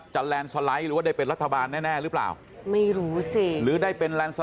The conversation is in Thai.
จะแลนซ์ไลท์หรือได้เป็นรัฐบาลแน่หรือเปล่า